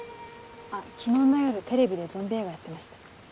あっ昨日の夜テレビでゾンビ映画やってました。